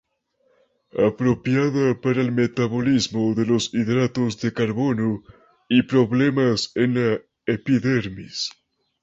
Apropiada para el metabolismo de los hidratos de carbono y problemas en la epidermis.